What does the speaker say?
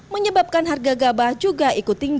menyebabkan harga gabah juga ikut tinggi